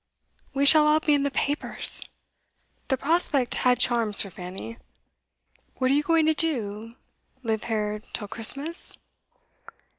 We shall all be in the papers!' The prospect had charms for Fanny. 'What are you going to do? Live here till Christmas?